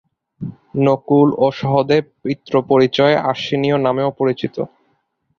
নকুল ও সহদেব পিতৃ-পরিচয়ে আশ্বিনেয় নামেও পরিচিত।